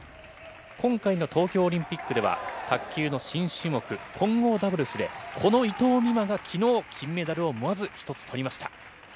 今回の東京オリンピックでは、卓球の新種目、混合ダブルスで、この伊藤美誠がきのう、金メダルをまず１つとりました。